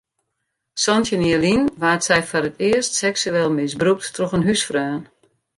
Santjin jier lyn waard sy foar it earst seksueel misbrûkt troch in húsfreon.